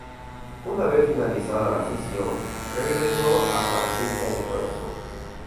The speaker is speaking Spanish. Una vez finalizada la cesión, regresó a Saprissa de Corazón.